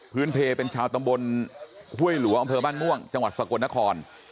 เพลเป็นชาวตำบลห้วยหลัวอำเภอบ้านม่วงจังหวัดสกลนคร